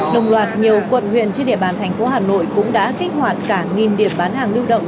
đồng loạt nhiều quận huyện trên địa bàn thành phố hà nội cũng đã kích hoạt cả nghìn điểm bán hàng lưu động